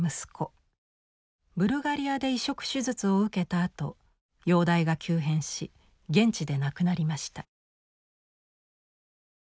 ブルガリアで移植手術を受けたあと容体が急変し現地で亡くなりました。